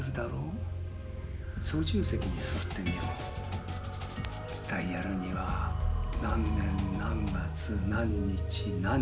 「操縦席に座ってみよう」「ダイヤルには何年何月何日何時